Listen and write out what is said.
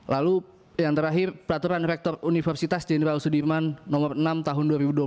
lalu yang terakhir peraturan rektor universitas jenderal sudirman nomor enam tahun dua ribu dua puluh